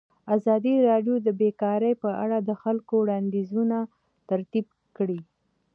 ازادي راډیو د بیکاري په اړه د خلکو وړاندیزونه ترتیب کړي.